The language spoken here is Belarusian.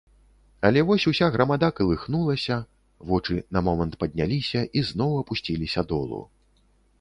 Але вось уся грамада калыхнулася, вочы на момант падняліся і зноў апусціліся долу.